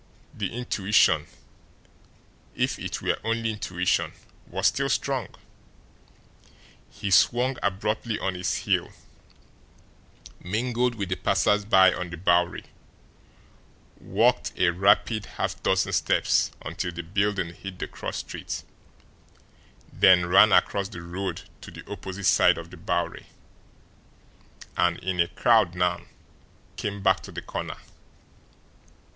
The intuition, if it were only intuition, was still strong. He swung abruptly on his heel, mingled with the passers by on the Bowery, walked a rapid half dozen steps until the building hid the cross street, then ran across the road to the opposite side of the Bowery, and, in a crowd now, came back to the corner.